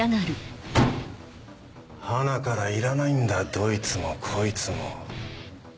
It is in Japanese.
はなからいらないんだどいつもこいつも。